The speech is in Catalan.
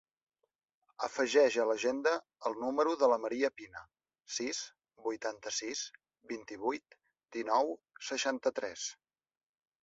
Afegeix a l'agenda el número de la Maria Pina: sis, vuitanta-sis, vint-i-vuit, dinou, seixanta-tres.